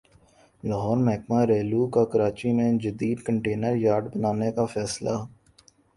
لاہور محکمہ ریلوے کا کراچی میں جدید کنٹینر یارڈ بنانے کا فیصلہ